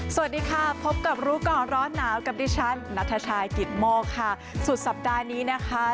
สวัสดีค่ะพบกับรู้ก่อนร้อนหนาวกับดิฉันนัทชายกิตโมกค่ะสุดสัปดาห์นี้นะคะ